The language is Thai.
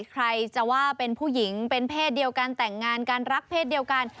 ใครจะว่าเป็นผู้หญิงเป็นเพศเดียวกันแต่งงานกันรักเพศเดียวกัน